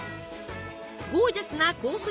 ゴージャスなコース